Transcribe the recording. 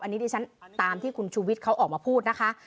อันนี้ดิฉันตามที่คุณชูวิทย์เขาออกมาพูดนะคะ